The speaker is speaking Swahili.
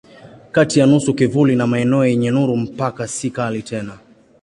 Kati ya nusu kivuli na maeneo yenye nuru mpaka si kali tena.